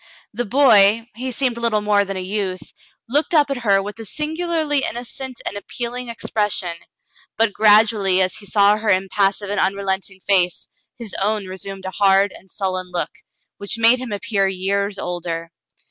The boy — he seemed little more than a youth — looked up at her with a singularly innocent and appealing ex pression, but gradually as he saw her impassive and un relenting face, his own resumed a hard and sullen look, which made him appear years older.